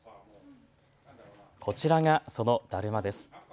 こちらが、そのだるまです。